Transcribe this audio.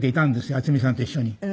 渥美さんと一緒に。